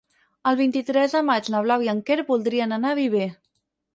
El vint-i-tres de maig na Blau i en Quer voldrien anar a Viver.